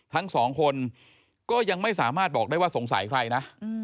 ทั้งสองคนก็ยังไม่สามารถบอกได้ว่าสงสัยใครนะ